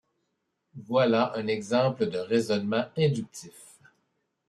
Voilà un exemple de raisonnement inductif.